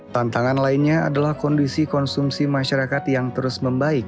tantangan lainnya adalah kondisi konsumsi masyarakat yang terus membaik